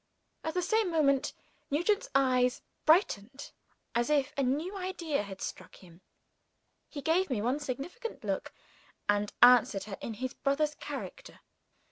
At the same moment, Nugent's eyes brightened as if a new idea had struck him. He gave me one significant look and answered her in his brother's character.